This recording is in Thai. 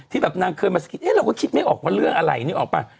ที่แบบนางเคยมาซักไหร่เราก็คิดไม่ออกว่าเรื่องอะไรนี่ออกไป